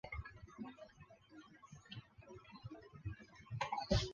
硫唑嘌呤被视为是致癌物的一种。